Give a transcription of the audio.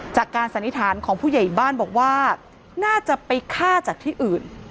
สันนิษฐานของผู้ใหญ่บ้านบอกว่าน่าจะไปฆ่าจากที่อื่น